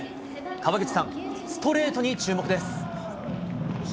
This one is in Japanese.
川口さん、ストレートに注目です。